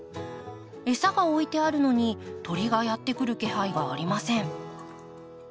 餌が置いてあるのに鳥がやって来る気配がありません。